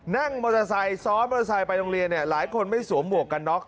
นั่งมดสายซ้อนมดสายไปโรงเรียนหลายคนไม่สวมหมวกกันน็อค